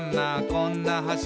こんな橋」